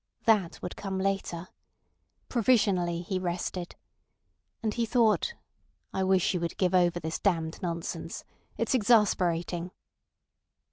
That would come later. Provisionally he rested. And he thought: "I wish she would give over this damned nonsense. It's exasperating."